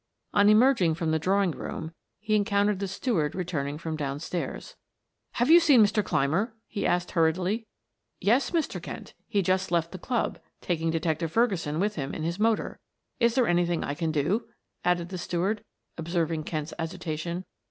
On emerging from the drawing room, he encountered the steward returning from downstairs. "Have you seen Mr. Clymer?" he asked hurriedly. "Yes, Mr. Kent; he just left the club, taking Detective Ferguson with him in his motor. Is there anything I can do?" added the steward observing Kent's agitation.